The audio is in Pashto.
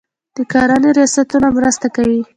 د کرنې ریاستونه مرسته کوي.